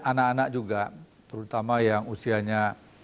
anak anak juga terutama yang usianya